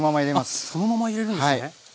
あっそのまま入れるんですね。